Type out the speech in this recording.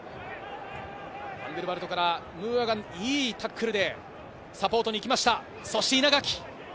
ファンデルヴァルトからムーアが良いタックルでサポートにいきました。